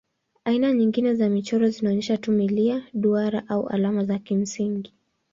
Aina nyingine za michoro zinaonyesha tu milia, duara au alama za kimsingi.